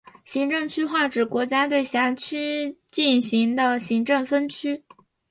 行政区划指国家对辖境进行的行政分区。